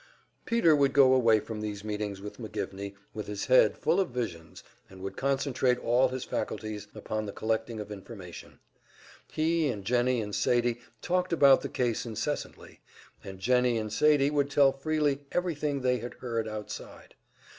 Peter would go away from these meetings with McGivney with his head full of visions, and would concentrate all his faculties upon the collecting of information. He and Jennie and Sadie talked about the case incessantly, and Jennie and Sadie would tell freely everything they had heard outside.